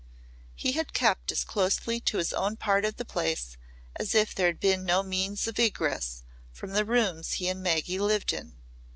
He had kept as closely to his own part of the place as if there had been no means of egress from the rooms he and Maggy lived in.